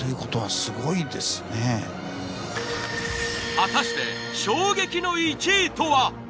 果たして衝撃の１位とは？